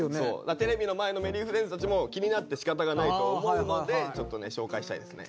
テレビの前のＭｅｒｒｙｆｒｉｅｎｄｓたちも気になってしかたがないと思うのでちょっとね紹介したいですね。